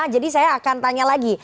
saya akan tanya lagi